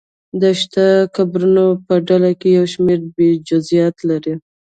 د شته قبرونو په ډله کې یو شمېر یې جزییات لري.